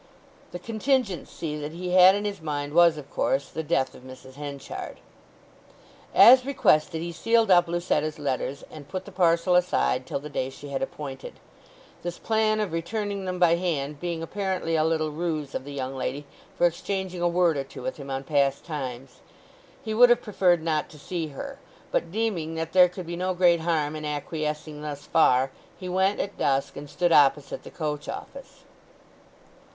The contingency that he had in his mind was, of course, the death of Mrs. Henchard. As requested, he sealed up Lucetta's letters, and put the parcel aside till the day she had appointed; this plan of returning them by hand being apparently a little ruse of the young lady for exchanging a word or two with him on past times. He would have preferred not to see her; but deeming that there could be no great harm in acquiescing thus far, he went at dusk and stood opposite the coach office.